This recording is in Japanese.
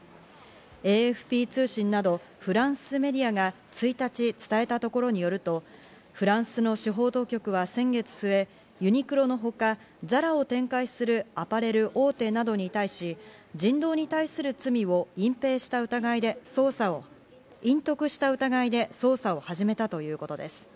ＡＦＰ通信などフランスメディアが１日伝えたところによると、フランスの司法当局は先月末、ユニクロのほかＺＡＲＡを展開するアパレル大手などに対し、人道に対する罪を隠蔽した疑いで捜査を隠匿した疑いで捜査を始めたということです。